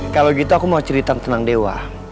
kalau gitu aku mau cerita tentang dewa